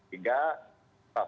sehingga fakta yang dimunculkan